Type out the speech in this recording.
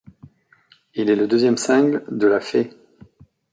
Il est le deuxième single de LaFee.